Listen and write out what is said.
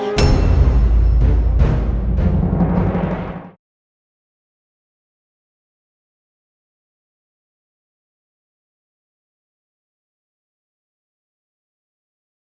pasang tulisan d smart dulu